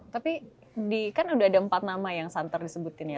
tapi kan udah ada empat nama yang santer disebutin ya